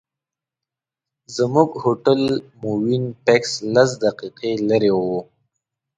زموږ هوټل مووېن پېک لس دقیقې لرې و.